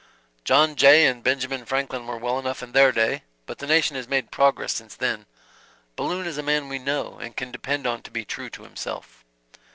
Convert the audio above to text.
"John Jay and Benjamin Franklin were well enough in their day, but the nation has made progress since then. Balloon is a man we know and can depend on to be true to himself."